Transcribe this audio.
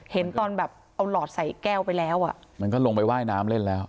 เห็นตอนแบบเอาหลอดใส่แก้วไปแล้วอ่ะมันก็ลงไปว่ายน้ำเล่นแล้ว